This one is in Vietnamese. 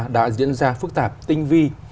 đã diễn ra phức tạp tinh vi